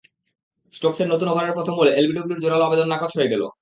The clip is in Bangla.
স্টোকসের নতুন ওভারের প্রথম বলে এলবিডব্লুর জোরালো আবেদন নাকচ হয়ে গেল।